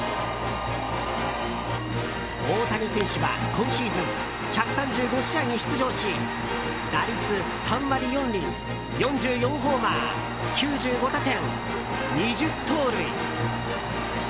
大谷選手は今シーズン１３５試合に出場し打率３割４厘４４ホーマー、９５打点２０盗塁。